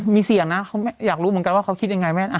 มีเสียงนะเขาอยากรู้เหมือนกันว่าเขาคิดยังไงแม่